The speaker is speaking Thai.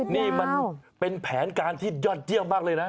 นี่มันเป็นแผนการที่ยอดเยี่ยมมากเลยนะ